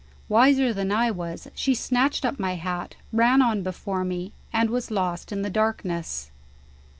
Wiser than I was, she snatched up my hat, ran on before me, and was lost in the darkness.